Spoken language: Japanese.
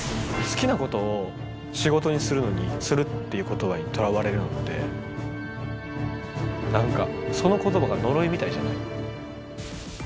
好きなことを仕事にするっていう言葉にとらわれるのって何かその言葉が呪いみたいじゃない？